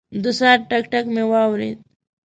د ساعت ټک، ټک مې واورېد.